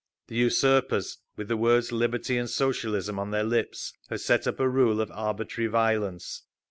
The usurpers, with the words "Liberty and Socialism" on their lips, have set up a rule of arbitrary violence.